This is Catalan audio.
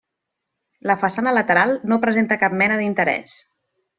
La façana lateral no presenta cap mena d'interès.